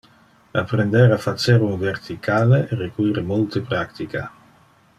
Apprender a facer un verticale require multe practica.